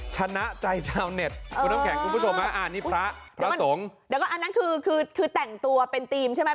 ชนะใจชาวเน็ตเออคุณผู้ชมฮะอ่านี่พระพระสงฆ์แล้วก็อันนั้นคือคือคือแต่งตัวเป็นทีมใช่ไหม